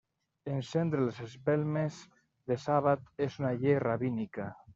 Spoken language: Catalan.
Encendre les espelmes de sàbat és una llei rabínica.